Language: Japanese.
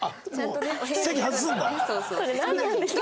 席外すんだ。